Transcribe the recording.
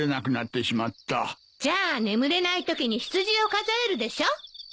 じゃあ眠れないときに羊を数えるでしょ。